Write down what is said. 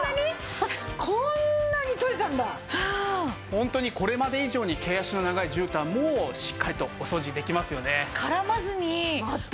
ホントにこれまで以上に毛足の長いじゅうたんもしっかりとお掃除できますよね。